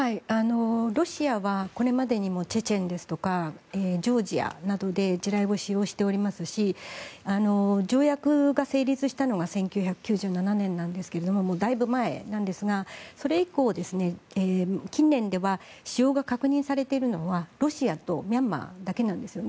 ロシアはこれまでにもチェチェンですとかジョージアなどで地雷を使用しておりますし条約が成立したのが１９９７年なんですがもうだいぶ前なんですがそれ以降、近年では使用が確認されているのはロシアとミャンマーだけなんですよね。